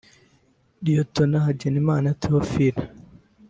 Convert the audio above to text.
Lt Hagenimana Theophile